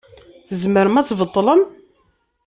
Tzemrem ad tbeṭlem?